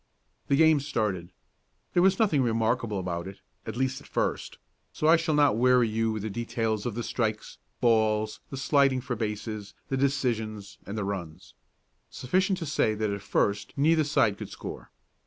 The game started. There was nothing remarkable about it, at least at first, so I shall not weary you with details of the strikes, balls, the sliding for bases, the decisions, and the runs. Sufficient to say that at first neither side could score.